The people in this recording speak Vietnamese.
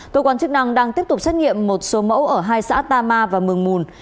cơ quan chức năng đang tiếp tục xét nghiệm một số mẫu ở hai xã ta ma và mường mùn